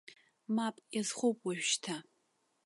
Мап, иазхоуп уажәшьҭа.